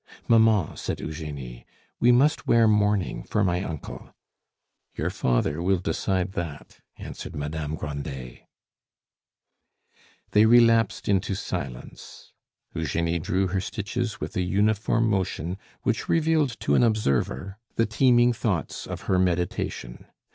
"Mamma," said Eugenie, "we must wear mourning for my uncle." "Your father will decide that," answered Madame Grandet. They relapsed into silence. Eugenie drew her stitches with a uniform motion which revealed to an observer the teeming thoughts of her meditation.